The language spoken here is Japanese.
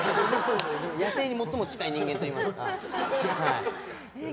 野生に最も近い人間といいますか。